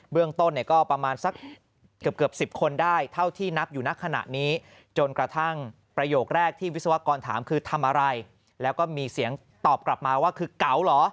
เรื่องต้นเนี่ยก็ประมาณสักเกือบ๑๐คนได้เท่าที่นับอยู่ณขณะนี้จนกระทั่งประโยคแรกที่วิศวกรถามคือทำอะไรแล้วก็มีเสียงตอบกลับมาว่าคือเก๋าเหรอ